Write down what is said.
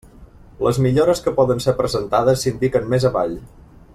Les millores que poden ser presentades s'indiquen més avall.